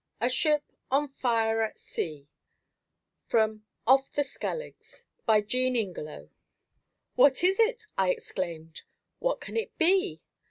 A SHIP ON FIRE AT SEA (From Off the Skelligs.) By JEAN INGELOW. "What is it?" I exclaimed; "what can it be?"